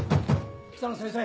・北野先生？